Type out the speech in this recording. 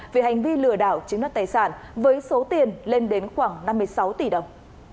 về hành vi lừa đảo chiếm đất tài sản với số tiền lên đến khoảng năm mươi sáu tỷ đồng